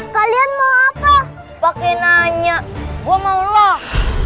kalian mau apa pakai nanya gua mau loh